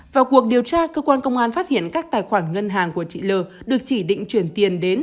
vào cuộc điều tra cơ quan công an phát hiện các tài khoản ngân hàng của chị l được chỉ định chuyển tiền đến